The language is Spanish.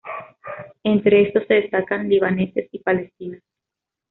Entre estos se destacan libaneses y palestinos.